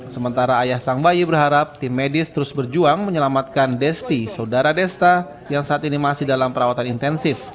sementara ayah sang bayi berharap tim medis terus berjuang menyelamatkan desti saudara desta yang saat ini masih dalam perawatan intensif